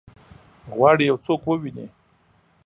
غواړي یو څوک وویني؟